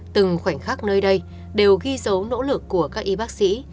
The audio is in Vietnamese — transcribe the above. từng khoảnh khắc nơi đây đều ghi dấu nỗ lực của các y bác sĩ